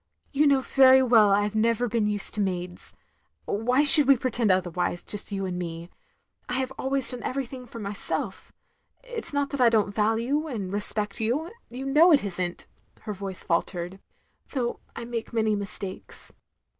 "You know very well I have never been used to maids. Why should we pretend otherwise, just you and me? I have always done everything for myself. It 's not OF GROSVENOR SQUARE 265 that I don't value and respect you — ^you know it is n*t," her voice faltered —though I make many mistakes."